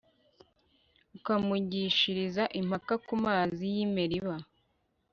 ukamugishiriza impaka ku mazi y'i meriba